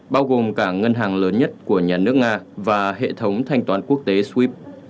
bao gồm cả ngân hàng lớn nhất của nhà nước nga và hệ thống thanh toán quốc tế swif